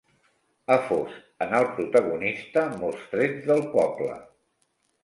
Ha fos en el protagonista molts trets del poble.